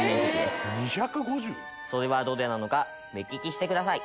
それはどれなのか目利きしてください。